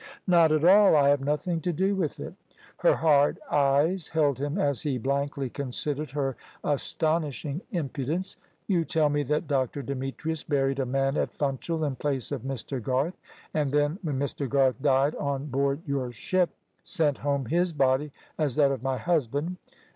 "Not at all. I have nothing to do with it"; her hard eyes held him as he blankly considered her astonishing impudence. "You tell me that Dr. Demetrius buried a man at Funchal in place of Mr. Garth, and then, when Mr. Garth died on board your ship, sent home his body as that of my husband.